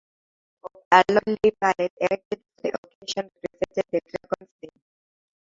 The likeness of a lordly palace, erected fo the occasion, represented the dragon's den.